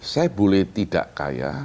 saya boleh tidak kaya